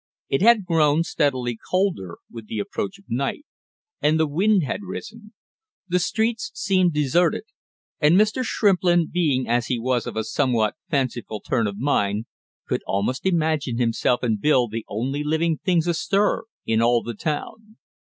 It had grown steadily colder with the approach of night, and the wind had risen. The streets seemed deserted, and Mr. Shrimplin being as he was of a somewhat fanciful turn of mind, could almost imagine himself and Bill the only living things astir in all the town.